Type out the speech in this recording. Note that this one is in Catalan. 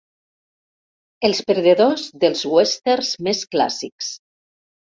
Els perdedors dels Westerns més clàssics.